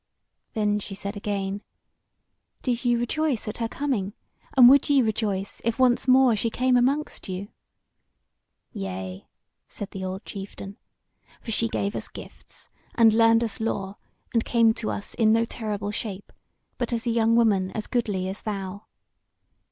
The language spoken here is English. Then she said again: "Did ye rejoice at her coming, and would ye rejoice if once more she came amongst you?" "Yea," said the old chieftain, "for she gave us gifts, and learned us lore, and came to us in no terrible shape, but as a young woman as goodly as thou."